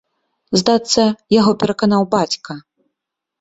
Здацца яго пераканаў бацька.